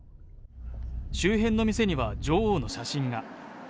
周辺の店には女王の写真が。